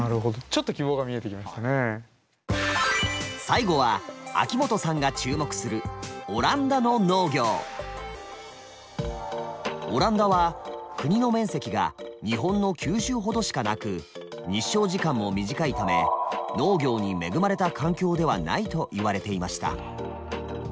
最後は秋元さんが注目するオランダは国の面積が日本の九州ほどしかなく日照時間も短いため農業に恵まれた環境ではないといわれていました。